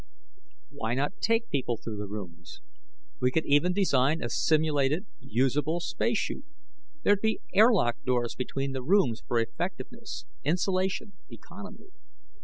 Why not take people through the rooms? We could even design a simulated, usable spacesuit. There'd be airlock doors between the rooms for effectiveness, insulation, economy.